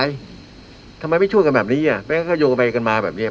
ไปทำไมไม่ช่วยกันแบบนี้อ่ะมากันมากันเนี่ย